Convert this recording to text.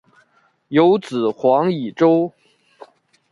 有子黄以周。